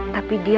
terima kasih ya